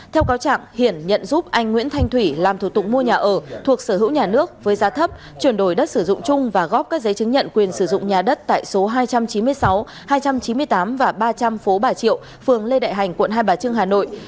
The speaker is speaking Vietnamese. theo cáo trạng hiển nhận giúp anh nguyễn thanh thủy làm thủ tục mua nhà ở thuộc sở hữu nhà nước với giá thấp chuyển đổi đất sử dụng chung và góp các giấy chứng nhận quyền sử dụng nhà đất tại số hai trăm chín mươi sáu hai trăm chín mươi tám và ba trăm linh phố bà triệu phường lê đại hành quận hai bà trưng hà nội